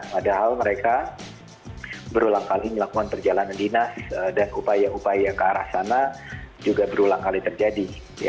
padahal mereka berulang kali melakukan perjalanan dinas dan upaya upaya ke arah sana juga berulang kali terjadi